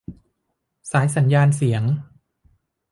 สายสัญญาณเสียง